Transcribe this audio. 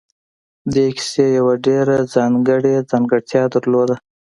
دې کيسې يوه ډېره ځانګړې ځانګړتيا درلوده.